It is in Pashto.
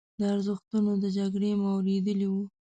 د ارزښتونو د جګړې مو اورېدلي وو.